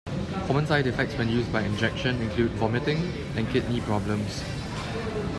Common side effects when used by injection include vomiting and kidney problems.